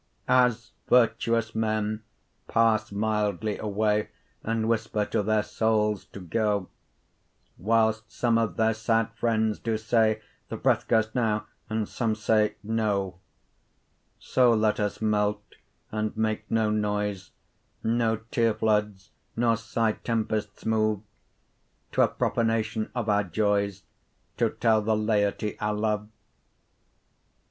_ As virtuous men passe mildly away, And whisper to their soules, to goe, Whilst some of their sad friends doe say, The breath goes now, and some say, no: So let us melt, and make no noise, 5 No teare floods, nor sigh tempests move, T'were prophanation of our joyes To tell the layetie our love.